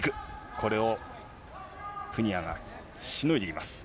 これをプニアがしのいでいます。